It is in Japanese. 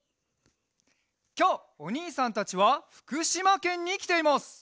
きょうおにいさんたちはふくしまけんにきています！